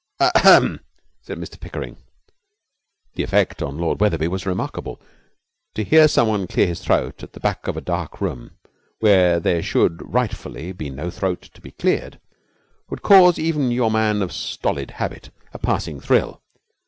'Ah hum!' said Mr Pickering. The effect on Lord Wetherby was remarkable. To hear some one clear his throat at the back of a dark room, where there should rightfully be no throat to be cleared, would cause even your man of stolid habit a passing thrill.